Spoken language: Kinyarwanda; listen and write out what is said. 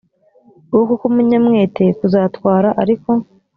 ukuboko k umunyamwete kuzatwara ariko